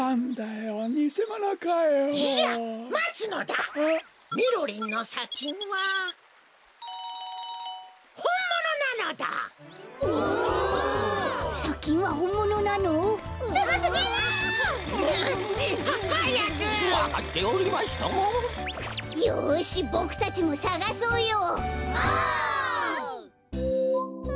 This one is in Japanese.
よしボクたちもさがそうよ！